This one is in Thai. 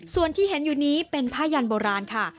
ส่วนที่เห็นอยู่นี้เป็นผ้ายันโบราณค่ะ